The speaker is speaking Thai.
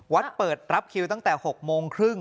เปิดรับคิวตั้งแต่๖โมงครึ่ง